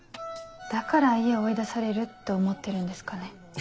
だから家を追い出されるって思ってるんですかね。